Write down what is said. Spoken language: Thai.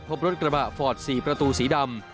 พบรถกระบะฟอร์ด๔ประตูสีดำ